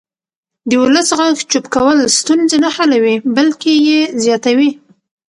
د ولس غږ چوپ کول ستونزې نه حلوي بلکې یې زیاتوي